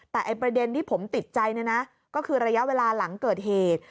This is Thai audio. แต่ประเด็นที่ผมติดใจเนี่ยนะก็คือระยะเวลาหลังเกิดเหตุ